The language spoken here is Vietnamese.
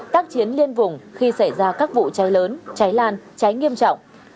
tác chiến liên vùng khi xảy ra các vụ cháy lớn cháy lan cháy nghiêm trọng